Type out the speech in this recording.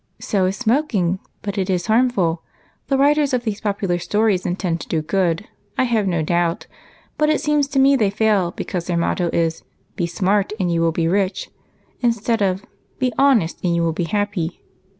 "So is smoking, but it is harmful. The writers of these popular stories intend to do good, I have no doubt, but it seems to me they fail because their motto is, 'Be smart, and you will be rich,' instead of 'Be honest, and you will be happy.'